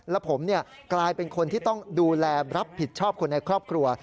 แล้วผมกลายเป็นคนที่ต้องดูแลรับผิดชอบคนในครอบครัว